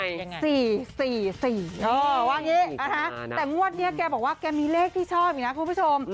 อย่างนี้นะคะแต่งวดนี้แกบอกว่าแกมีเลขที่ชอบอีกนะคุณผู้ชม